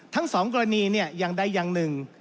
ทั้ง๒กรณีอย่างใดอย่างหนึ่ง